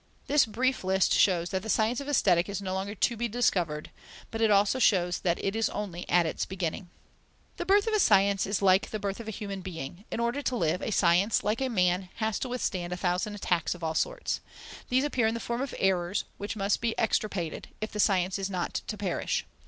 This brief list shows that the science of Aesthetic is no longer to be discovered, but it also shows that it is only at its beginning. The birth of a science is like the birth of a human being. In order to live, a science, like a man, has to withstand a thousand attacks of all sorts. These appear in the form of errors, which must be extirpated, if the science is not to perish.